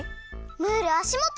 ムールあしもと！